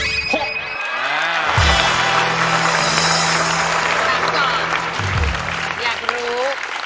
อยากรู้